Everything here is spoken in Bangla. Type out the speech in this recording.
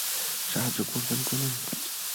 সাহায্য করবেন কোনও?